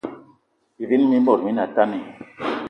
Bivini bi bot bi ne atane